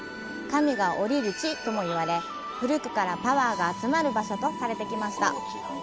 “神が降りる地”とも言われ、古くからパワーが集まる場所とされてきました。